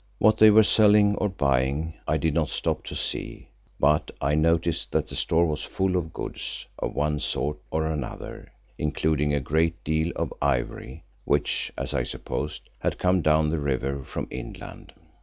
What they were selling or buying, I did not stop to see, but I noticed that the store was full of goods of one sort or another, including a great deal of ivory, which, as I supposed, had come down the river from inland.